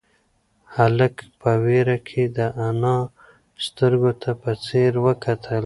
هلک په وېره کې د انا سترگو ته په ځير وکتل.